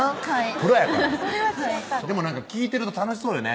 プロやからでもなんか聞いてると楽しそうよね